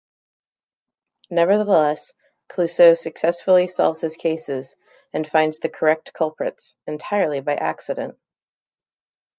Nevertheless, Clouseau successfully solves his cases and finds the correct culprits, entirely by accident.